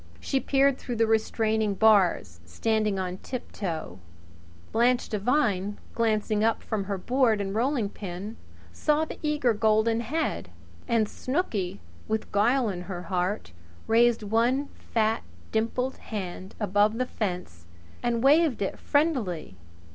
She peered through the restraining bars, standing on tiptoe. Blanche Devine, glancing up from her board and rolling pin, saw the eager golden head. And Snooky, with guile in her heart, raised one fat, dimpled hand above the fence and waved it friendlily.